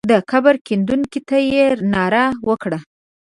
د قبر کیندونکو ته یې ناره وکړه.